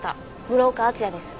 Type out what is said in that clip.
室岡厚也です。